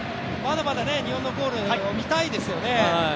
まだまだ日本のゴールを見たいですよね。